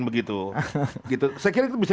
begitu saya kira itu bisa